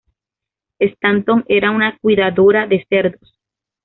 Stanton era una cuidadora de cerdos.